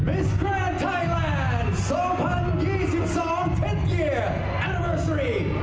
อิงฟ้ารุเทมฮาระคอร์